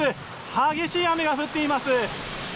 激しい雨が降っています」